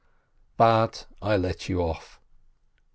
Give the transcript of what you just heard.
But I let you off!